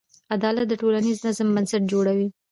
عدالت د ټولنیز نظم بنسټ جوړوي.